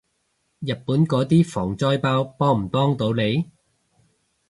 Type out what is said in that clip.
日本嗰啲防災包幫唔幫到你？